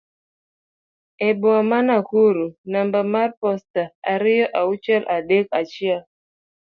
e boma ma Nakuru namba mar posta ariyo auchiel adek achiel